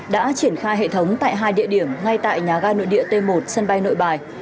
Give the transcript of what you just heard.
đã triển khai hệ thống tại hai địa điểm ngay tại nhà ga nội địa t một sân bay nội bài